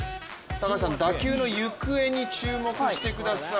高橋さん、打球の行方に注目してください。